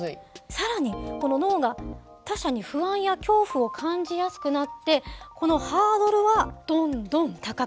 更に脳が他者に不安や恐怖を感じやすくなってこのハードルはどんどん高くなってしまったと。